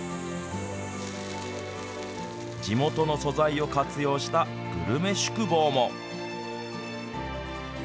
地元の素材を活用したグルメ宿坊も。